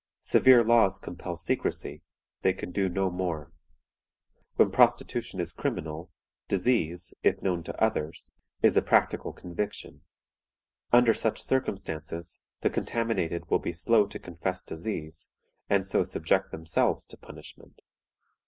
Severe laws compel secrecy; they can do no more. When prostitution is criminal, disease, if known to others, is a practical conviction. Under such circumstances the contaminated will be slow to confess disease, and so subject themselves to punishment.